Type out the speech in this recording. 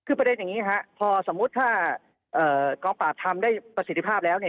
คือประเด็นอย่างนี้ครับพอสมมุติถ้ากองปราบทำได้ประสิทธิภาพแล้วเนี่ย